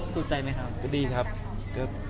สุดใจไหมครับ